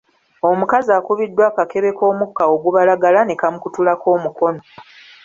Omukazi akubiddwa akakebe k'omukka ogubalagala ne kamukutulako omukono.